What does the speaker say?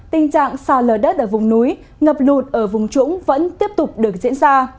tình trạng xa lở đất ở vùng núi ngập lụt ở vùng trũng vẫn tiếp tục được diễn ra